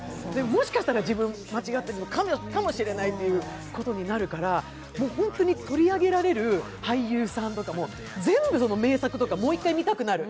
もしかしたら自分間違っているのかもしれないということになるからもう本当に取り上げられる俳優さんとか、全部、名作とか、もう一回見たくなる。